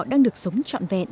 đang được sống trọn vẹn